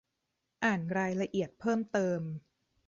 อ่านรายละเอียดเพิ่มเติม